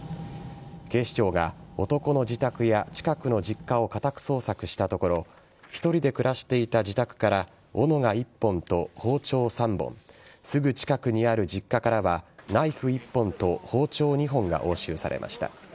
警視庁が男の自宅や近くの実家を家宅捜索したところ１人で暮らしていた自宅からおのが１本と包丁３本すぐ近くにある実家からはナイフ１本と包丁２本が押収されました。